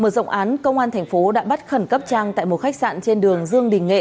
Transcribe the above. mở rộng án công an thành phố đã bắt khẩn cấp trang tại một khách sạn trên đường dương đình nghệ